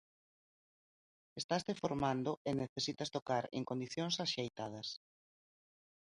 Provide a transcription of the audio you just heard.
Estaste formando e necesitas tocar en condicións axeitadas.